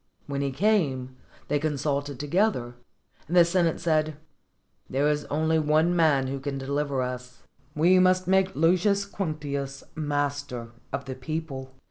When he came, they consulted together, and the Senate said, ''There is only one man who can deliver us; we must make Lucius Quinctius master of the people."